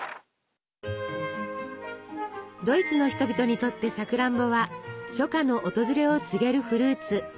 ドイツの人々にとってさくらんぼは初夏の訪れを告げるフルーツ。